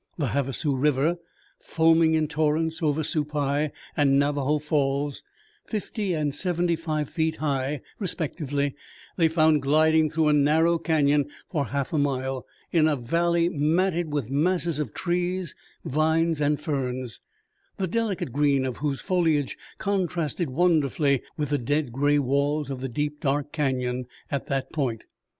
The Havasu River, foaming in torrents over Supai and Navajos Falls, fifty and seventy five feet high, respectively, they found gliding through a narrow canyon for half a mile, in a valley matted with masses of trees, vines and ferns, the delicate green of whose foliage contrasted wonderfully with the dead gray walls of the deep, dark canyon at that point.